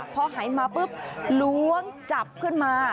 พอหายมาปุ๊บล้วงจับขึ้นมา